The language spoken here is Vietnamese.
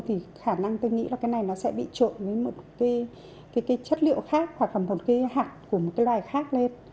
thì khả năng tôi nghĩ là cái này nó sẽ bị trộn với một cái chất liệu khác hoặc là một cái hạng của một cái loài khác lên